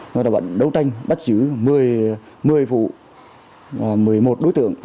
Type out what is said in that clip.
nó đã bận đấu tranh bắt giữ một mươi vụ một mươi một đối tượng